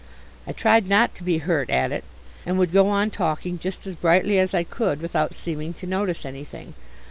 I tried not to be hurt at it, and would go on talking just as brightly as I could, without seeming to notice anything.